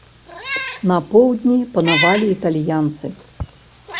На поўдні панавалі італьянцы.